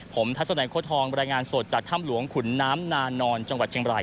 ผมทัศนัยโค้ทองบรรยายงานสดจากถ้ำหลวงขุนน้ำนานอนจังหวัดเชียงบราย